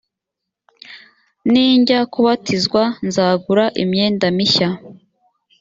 nijya kubatizwa nzagura imyenda mishya